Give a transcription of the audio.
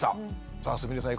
さあすみれさん